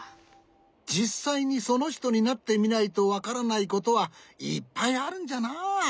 じっさいにそのひとになってみないとわからないことはいっぱいあるんじゃな。